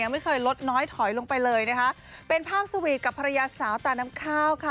ไม่เคยลดน้อยถอยลงไปเลยนะคะเป็นภาพสวีทกับภรรยาสาวตาน้ำข้าวค่ะ